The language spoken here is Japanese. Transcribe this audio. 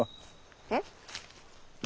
えっ？